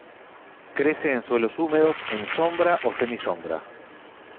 Crece en suelos húmedos en sombra o semi-sombra.